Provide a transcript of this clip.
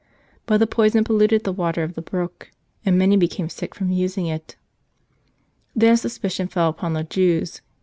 But the poison polluted the water of the brook, and many became sick from using it. Then suspicion fell upon the Jews.